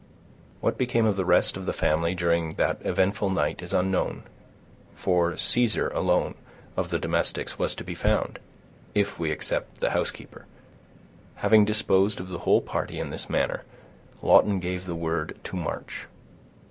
What became of the rest of the family during that eventful night is unknown, for Caesar alone, of the domestics, was to be found, if we except the housekeeper. Having disposed of the whole party in this manner, Lawton gave the word to march.